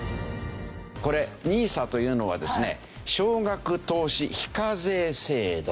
これＮＩＳＡというのはですね少額投資非課税制度。